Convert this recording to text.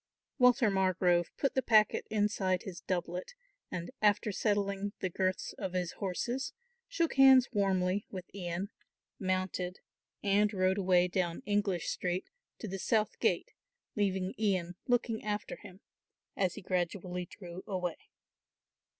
Walter Margrove put the packet inside his doublet, and, after settling the girths of his horses, shook hands warmly with Ian, mounted and rode away down English Street to the South Gate, leaving Ian looking after him, as he gradually drew away.